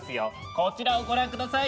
こちらをご覧ください。